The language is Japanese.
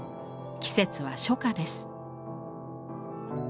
季節は初夏です。